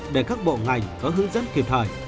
để các bộ ngành có hướng dẫn kịp thời